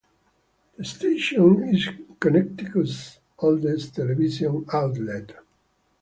The station is Connecticut's oldest television outlet.